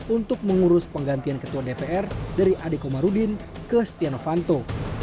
untuk mengurus penggantian ketua dpr dari ade komarudin ke setiano fanto